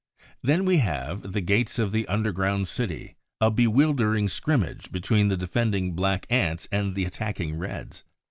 Then we have, at the gates of the underground city, a bewildering scrimmage between the defending Blacks and the attacking Reds.